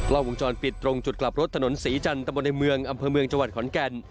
กล้องวงจรปิดตรงจุดกลับรถถนนศรีจันทร์ตะบนในเมืองอำเภอเมืองจังหวัดขอนแก่น